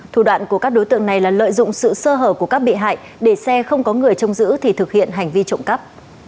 thủ đoạn của các đối tượng này là lợi dụng sự sơ hở của các bị hại để xe không có người trông giữ thì thực hiện hành vi trộm cắp